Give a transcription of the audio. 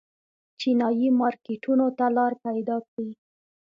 چینايي مارکېټونو ته لار پیدا کړي.